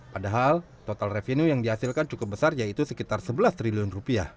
padahal total revenue yang dihasilkan cukup besar yaitu sekitar rp sebelas triliun